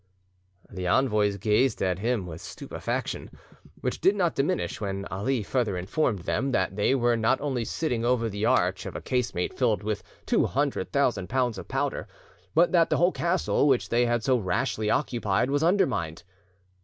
The envoys gazed at him with stupefaction, which did not diminish when Ali further informed them that they were not only sitting over the arch of a casemate filled with two hundred thousand pounds of powder, but that the whole castle, which they had so rashly occupied, was undermined.